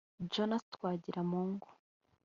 Jonas Twagiramungu